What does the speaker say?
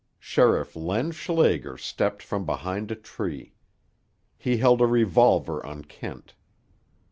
Sheriff Len Schlager stepped from behind a tree. He held a revolver on Kent.